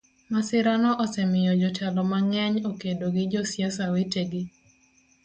Masirano osemiyo jotelo mang'eny okedo gi josiasa wetegi.